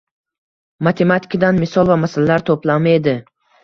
Matematikadan misol va masalalar toʻplami edi.